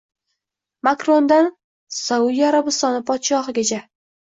Makrondan Saudiya Arabistoni podshohigacha